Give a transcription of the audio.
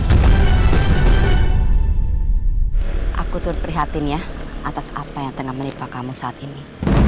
hai aku tuh prihatin ya atas apa yang tengah menipu kamu saat ini